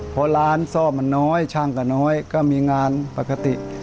เพราะร้านซ่อมมันน้อยช่างก็น้อยก็มีงานปกติ